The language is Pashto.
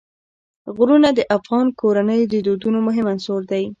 غرونه د افغان کورنیو د دودونو مهم عنصر دی.